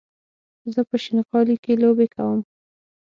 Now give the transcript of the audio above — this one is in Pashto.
زه په شينغالي کې لوبې کوم